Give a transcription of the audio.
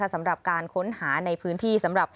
สำหรับการค้นหาในพื้นที่สำหรับ